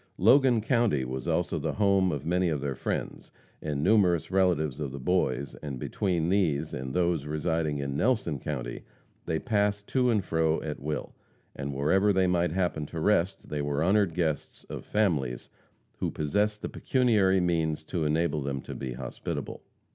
Logan county was also the home of many of their friends, and numerous relatives of the boys, and between these and those residing in Nelson county, they passed to and fro at will, and wherever they might happen to rest, they were honored guests of families who possessed the pecuniary means to enable them to be hospitable.